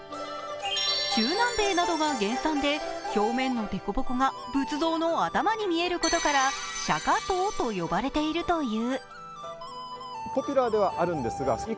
中南米などが原産で、表面のでこぼこが仏像の頭に見えることから「釈迦頭」と呼ばれているという。